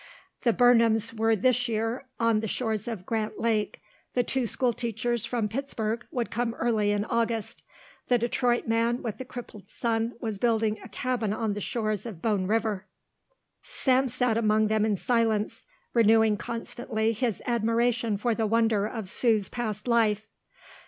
"The Burnhams were this year on the shores of Grant Lake, the two school teachers from Pittsburgh would come early in August, the Detroit man with the crippled son was building a cabin on the shores of Bone River." Sam sat among them in silence, renewing constantly his admiration for the wonder of Sue's past life.